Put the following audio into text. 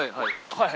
はい。